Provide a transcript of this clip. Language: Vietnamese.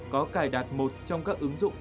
có cài đặt một trong các ứng dụng